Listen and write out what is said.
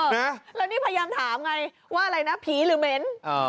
แล้วนี่พยายามถามไงว่าอะไรนะผีหรือเหม็น